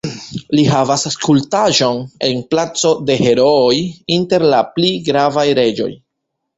Li havas skulptaĵon en Placo de Herooj inter la pli gravaj reĝoj.